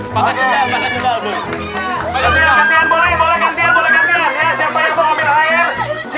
makasih makasih makasih